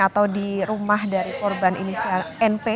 atau di rumah dari korban inisial np